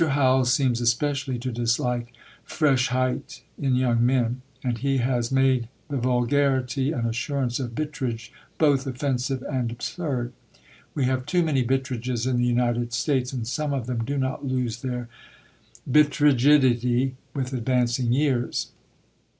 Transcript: Howells seems especially to dislike Frechheit in young men, and he has made the vulgarity and assurance of Bittredge both offensive and absurd. We have too many Bittredges in the United States; and some of them do not lose their bittredgidity with advancing years.